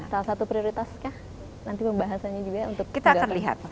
salah satu prioritas nanti pembahasannya juga